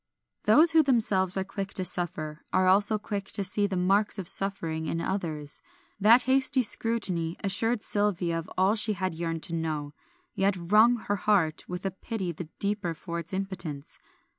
Those who themselves are quick to suffer, are also quick to see the marks of suffering in others; that hasty scrutiny assured Sylvia of all she had yearned to know, yet wrung her heart with a pity the deeper for its impotence.